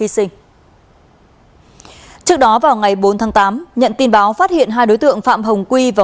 xin chào và hẹn gặp lại